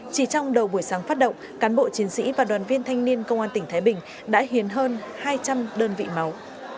chỉ trong đầu buổi sáng phát động cán bộ chiến sĩ và đoàn viên thanh niên công an tỉnh thái bình đã hiến hơn hai trăm linh đơn vị máu